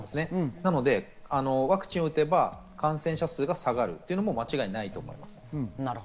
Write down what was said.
なのでワクチンを打てば感染者数が下がるというのも間違いないです。